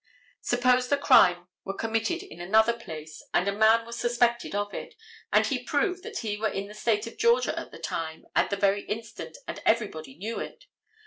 Suppose the crime were committed in another place, and a man was suspected of it, and he proved that he were in the state of Georgia at the time, at the very instant, and everybody knew it.